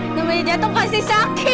namanya jatuh pasti sakit